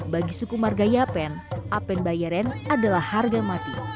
bagi suku margaya apen apen bayaren adalah harga mati